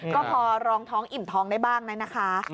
ก็พอรองท้องอิ่มท้องได้บ้างนะคะ